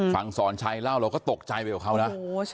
ฟังสอนชายเล่าเราก็ตกใจไปกับเขานะ